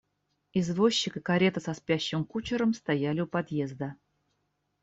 Извозчик и карета со спящим кучером стояли у подъезда.